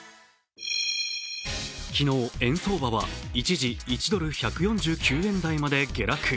昨日、円相場は一時１ドル＝１４９円台まで下落。